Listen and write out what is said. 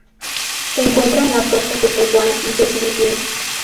Se encuentra en las costas de Taiwán y de las Filipinas.